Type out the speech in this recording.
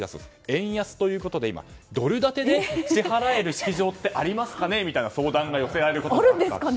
円安ということでドル建てで支払える式場はありますかね、という相談が寄せられることもあるとか。